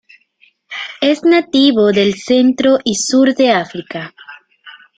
Es nativo del centro y sur de África.